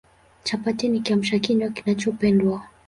Chapati ni Kiamsha kinywa kinachopendwa